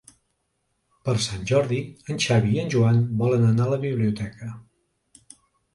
Per Sant Jordi en Xavi i en Joan volen anar a la biblioteca.